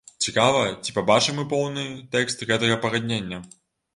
Цікава, ці пабачым мы поўны тэкст гэтага пагаднення?